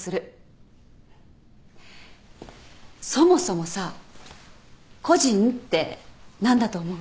そもそもさ個人って何だと思う？